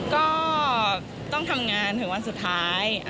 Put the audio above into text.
ก็ต้องทำงานถึงวันสุดท้าย